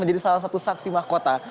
menjadi salah satu saksi mahkota